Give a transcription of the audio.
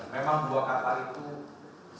memang dua kata itu seringkali kita lakukan